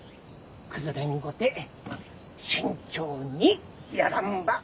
崩れんごて慎重にやらんば。